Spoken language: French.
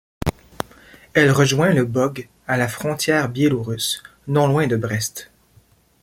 Elle rejoint le Bug à la frontière biélorusse, non loin de Brest.